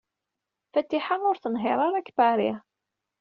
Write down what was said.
Fatiḥa ur tenhiṛ ara deg Paris.